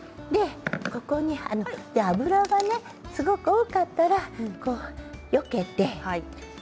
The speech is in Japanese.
ここに脂がすごく多かったらよけて。